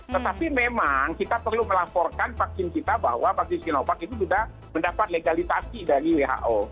tetapi memang kita perlu melaporkan vaksin kita bahwa vaksin sinovac itu sudah mendapat legalisasi dari who